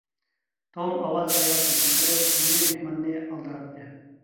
توم ئاۋاز ئايال تېلېفون قىلىپ، يېڭى مېھماننى ئالدىراتتى.